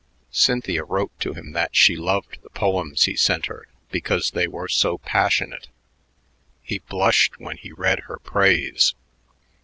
Cynthia wrote him that she loved the poems he sent her because they were so passionate. He blushed when he read her praise.